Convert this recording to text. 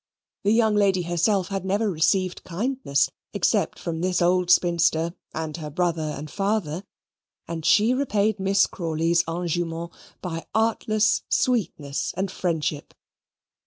The young lady herself had never received kindness except from this old spinster, and her brother and father: and she repaid Miss Crawley's engoument by artless sweetness and friendship.